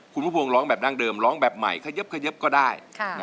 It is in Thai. คุณผู้พวงร้องแบบดั้งเดิมร้องแบบใหม่เขยับก็ได้